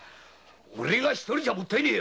オレ一人じゃもったいねえ